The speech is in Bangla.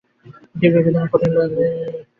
তীব্র বেদনায়, কঠিন কষ্টের গভীর ক্ষতে ধাক্কা লাগে আবার।